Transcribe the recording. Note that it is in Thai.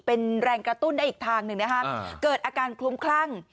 เป็นแรงกระตุ้นได้อีกทางหนึ่งนะฮะเกิดอาการคลุ้มคลั่ง